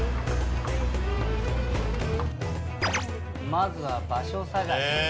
まずは場所探しね。